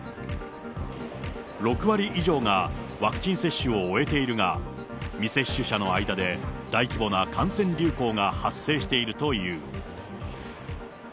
６割以上がワクチン接種を終えているが、未接種者の間で大規模な感染流行が発生しているという。